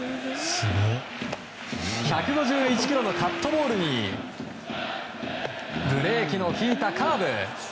１５１キロのカットボールにブレーキの利いたカーブ。